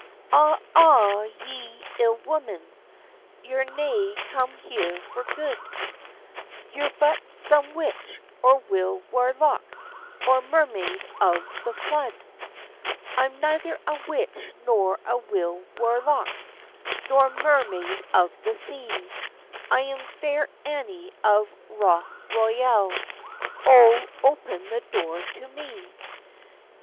"Awa, awa, ye ill woman, You'r nae come here for good; You'r but some witch, or wile warlock, Or mer maid of the flood." "I am neither a witch nor a wile warlock, Nor mer maid of the sea, I am Fair Annie of Rough Royal; O open the door to me."